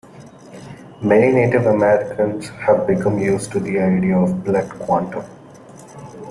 Many Native Americans have become used to the idea of "blood quantum".